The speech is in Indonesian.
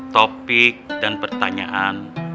topik dan pertanyaan